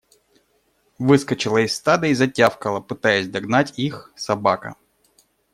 Выскочила из стада и затявкала, пытаясь догнать их, собака.